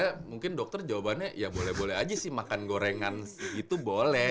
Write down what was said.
karena mungkin dokter jawabannya ya boleh boleh aja sih makan gorengan itu boleh